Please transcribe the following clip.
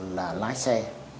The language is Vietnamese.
là lái xe